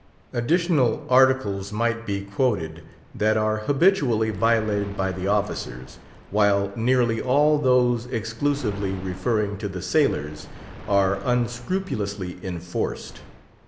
Additional Articles might be quoted that are habitually violated by the officers, while nearly all those exclusively referring to the sailors are unscrupulously enforced.